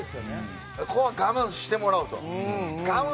ここは我慢してもらうと。